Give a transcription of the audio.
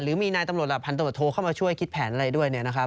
หรือมีนายตำรวจพันธบทโทเข้ามาช่วยคิดแผนอะไรด้วย